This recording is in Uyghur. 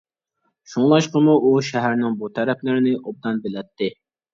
شۇڭلاشقىمۇ ئۇ شەھەرنىڭ بۇ تەرەپلىرىنى ئوبدان بىلەتتى.